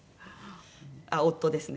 あっ夫ですね。